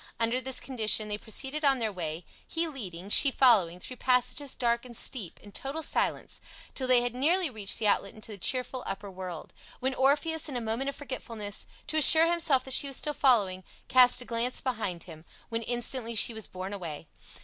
Under this condition they proceeded on their way, he leading, she following, through passages dark and steep, in total silence, till they had nearly reached the outlet into the cheerful upper world, when Orpheus, in a moment of forgetfulness, to assure himself that she was still following, cast a glance behind him, when instantly she was borne away.